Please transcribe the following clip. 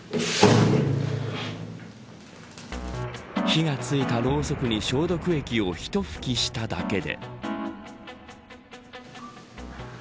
火がついたろうそくに消毒液をひと吹きしただけで。